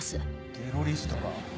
テロリストか？